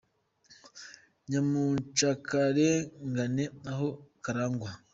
Nyamucakarengane aho karangwa.